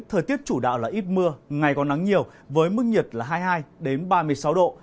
thời tiết chủ đạo là ít mưa ngày còn nắng nhiều với mức nhiệt là hai mươi hai ba mươi sáu độ